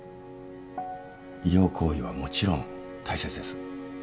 医療行為はもちろん大切です。